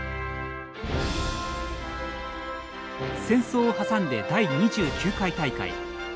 戦争を挟んで、第２９回大会。